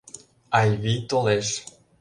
Айвий толеш.